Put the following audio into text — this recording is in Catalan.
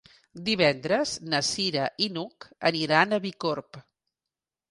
Divendres na Cira i n'Hug aniran a Bicorb.